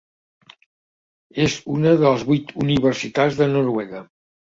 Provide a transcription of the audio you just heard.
És una de les vuit universitats de Noruega.